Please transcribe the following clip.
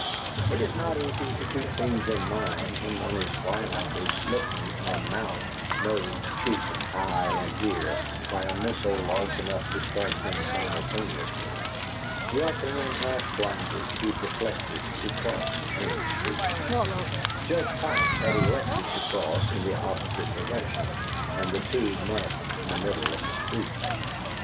It is not easy to keep things in mind when one is violently smitten on mouth, nose, cheek, eye, and ear by a missile large enough to strike them simultaneously. Yelping and half blinded, he deflected to cross Main Street. Judge Pike had elected to cross in the opposite direction, and the two met in the middle of the street.